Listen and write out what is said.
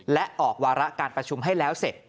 และออกวาระการประชุมให้แล้วเสร็จ